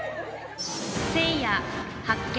せいや発見。